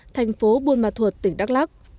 thành phố bunma thuật tỉnh đắk lắc